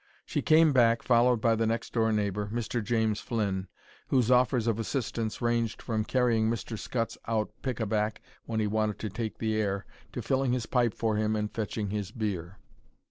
She came back, followed by the next door neighbour, Mr. James Flynn, whose offers of assistance ranged from carrying Mr. Scutts out pick a back when he wanted to take the air, to filling his pipe for him and fetching his beer.